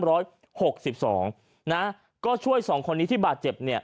ปี๒๕๖๕นะก็ช่วย๒คนที่บาดเจ็บเนี่ย